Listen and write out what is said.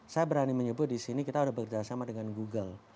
saya berani menyebut disini kita sudah bekerjasama dengan google